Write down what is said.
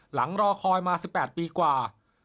รอคอยมา๑๘ปีกว่า